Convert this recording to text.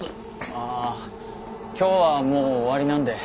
ああ今日はもう終わりなんで。